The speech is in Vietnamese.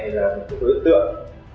là một đối tượng